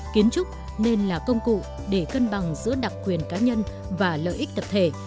kiến trúc nên là công cụ để cân bằng giữa đặc quyền cá nhân và lợi ích tập thể